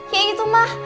ya gitu mah